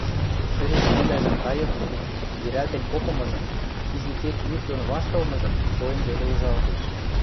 Шӹре пӱвлӓжӹм кайыктен, йӹрӓлтен попымыжым, изи кек юк доно ваштылмыжым шоэн веле ужалтеш.